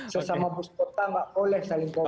sesama bus kota nggak boleh saling bawa